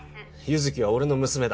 月は俺の娘だ